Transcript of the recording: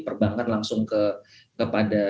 perbankan langsung kepada